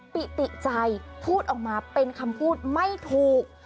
ปิติใจพูดออกมาเป็นคำพูดไม่ถูก